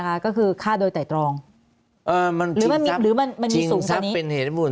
ค่ะก็คือฆ่าโดยไตรองเอ่อมันเป็นเหตุมุน